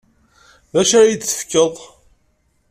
D acu ara yi-d-tefkeḍ?